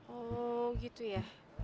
oh gitu ya